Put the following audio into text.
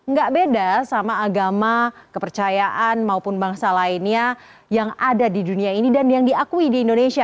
gak beda sama agama kepercayaan maupun bangsa lainnya yang ada di dunia ini dan yang diakui di indonesia